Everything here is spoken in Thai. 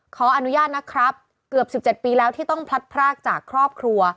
ขออนุญาตนะครับ